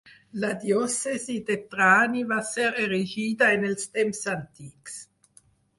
La diòcesi de Trani va ser erigida en els temps antics.